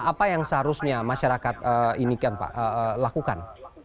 apa yang seharusnya masyarakat ini lakukan